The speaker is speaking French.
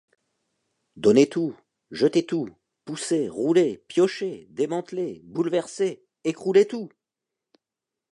Donnez tout! jetez tout ! poussez, roulez, piochez, démantelez, bouleversez, écroulez tout !